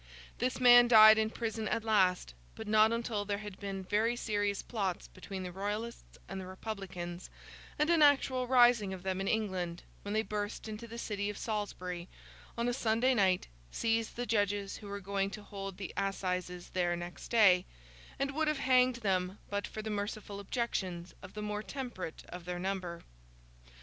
This man died in prison at last; but not until there had been very serious plots between the Royalists and Republicans, and an actual rising of them in England, when they burst into the city of Salisbury, on a Sunday night, seized the judges who were going to hold the assizes there next day, and would have hanged them but for the merciful objections of the more temperate of their number.